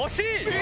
え⁉